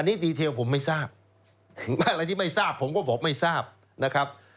อันนี้ดีเทลผมไม่ทราบอะไรที่ไม่ทราบผมก็บอกไม่ทราบนะครับ